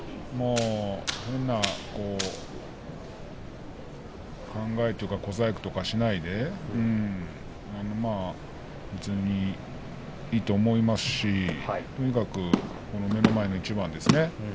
変に考えてとか、小細工とかしないで普通にいいと思いますしとにかく目の前の一番ですね